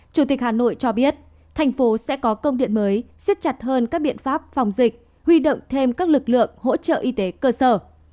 chủ tịch hà nội cho biết thành phố sẽ có công điện mới xiết chặt hơn các biện pháp phòng dịch huy động thêm các lực lượng hỗ trợ y tế cơ sở